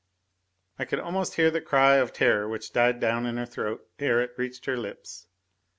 I could almost hear the cry of terror which died down in her throat ere it reached her lips.